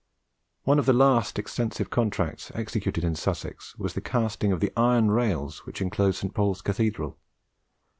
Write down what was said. One of the last extensive contracts executed in Sussex was the casting of the iron rails which enclose St. Paul's Cathedral.